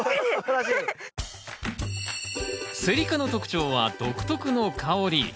セリ科の特徴は独特の香り。